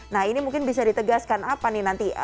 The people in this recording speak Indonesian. nah ini mungkin bisa ditegaskan apa nih nanti